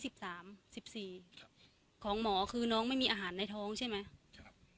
สิบสามสิบสี่ครับของหมอคือน้องไม่มีอาหารในท้องใช่ไหมครับ